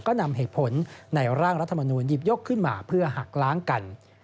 ก็นำเหตุผลในร่างรัฐมนูลหยิบยกขึ้นมาเพื่อหักล้างกัน